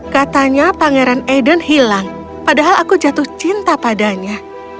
katanya pangeran aiden hilang padahal aku jatuh cinta padanya